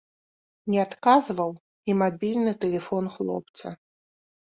Не адказваў і мабільны тэлефон хлопца.